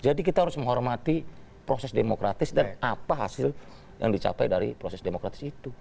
jadi kita harus menghormati proses demokratis dan apa hasil yang dicapai dari proses demokratis itu